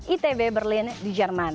itb berlin di jerman